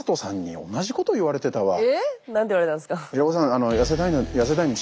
何て言われたんすか？